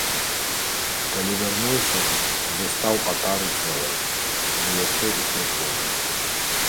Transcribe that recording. Калі вярнуўся, застаў атару цэлай, ды яшчэ і з прыплодам.